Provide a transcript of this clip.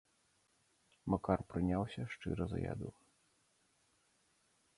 Макар прыняўся шчыра за яду.